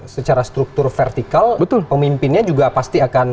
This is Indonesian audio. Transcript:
secara struktur vertikal pemimpinnya juga pasti akan